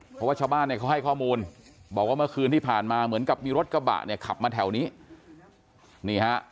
เพราะว่าชาวบ้านเนี่ยเขาให้ข้อมูลบอกว่าเมื่อคืนที่ผ่านมาเหมือนกับมีรถกระบะเนี่ยขับมาแถวนี้นี่ฮะ